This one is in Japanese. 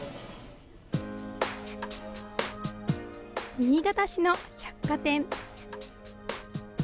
新潟市の百貨店。